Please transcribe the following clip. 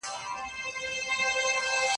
هغه څوک چي خواړه ورکوي مرسته کوي؟!